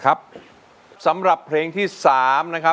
โอเคแปลมาสัมพันธ์ที่๓ค่ะ